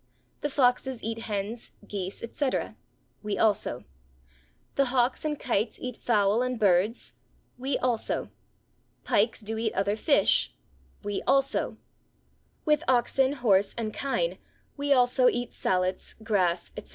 The foxes eat hens, geese, etc.; we also. The hawks and kites eat fowl and birds; we also. Pikes do eat other fish; we also. With oxen, horse, and kine, we also eat sallets, grass, etc.